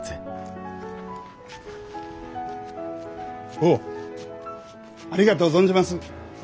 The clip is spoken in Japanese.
坊ありがとう存じます。